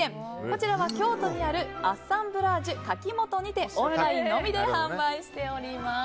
こちらは京都にあるアッサンブラージュカキモトでオンラインのみで販売しております。